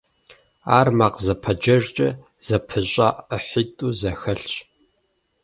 Ар макъ зэпэджэжкӀэ зэпыщӀа ӀыхьитӀу зэхэлъщ.